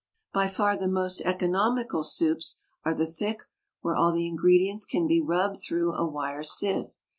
By far the most economical soups are the thick, where all the ingredients can be rubbed through a wire sieve.